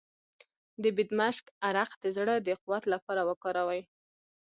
د بیدمشک عرق د زړه د قوت لپاره وکاروئ